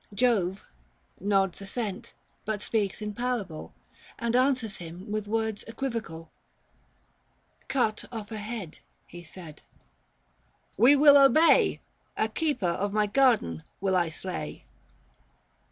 360 Jove nods assent, but speaks in parable And answers him with words equivocal :" Cut off a head," he said. —" W T e will obey ; A cepa of my garden will I slay."